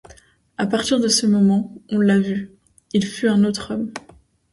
À partir de ce moment, on l’a vu, il fut un autre homme.